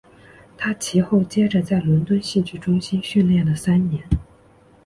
他其后接着在伦敦戏剧中心训练了三年。